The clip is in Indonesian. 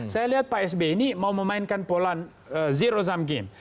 saya lihat pak sby ini mau memainkan polan zero sum game